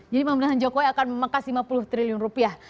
jadi pemerintahan jokowi akan memangkas lima puluh triliun rupiah